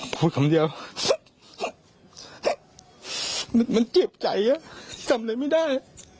พูดคำเดียวมันเจ็บใจจำอะไรไม่ได้